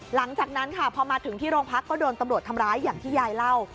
หลังจากนั้นค่ะพอมาถึงที่โรงพักก็โดนตำรวจทำร้ายอย่างที่ยายเล่า